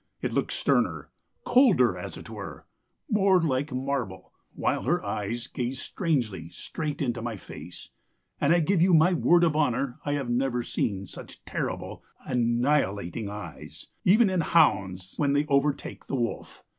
It looked sterner, colder, as it were, more like marble, while her eyes gazed strangely straight into my face, and I give you my word of honour I have never seen such terrible, annihilating eyes, even in hounds when they overtake the wolf.